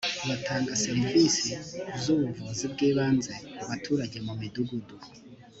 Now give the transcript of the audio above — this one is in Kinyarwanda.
batanga serivisi z’ubuvuzi bw’ibanze ku baturage mu midugudu